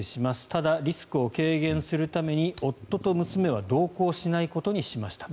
ただ、リスクを軽減するために夫と娘は同行しないことにしましたと。